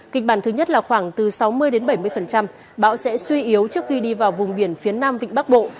kịch bản thứ nhất là khoảng từ sáu mươi bảy mươi bão sẽ suy yếu trước khi đi vào vùng biển phía nam vịnh bắc bộ